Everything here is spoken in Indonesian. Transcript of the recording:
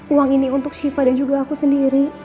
uang ini untuk shiva dan juga aku sendiri